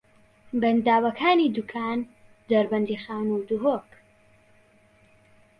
بەنداوەکانی دووکان، دەربەندیخان و دهۆک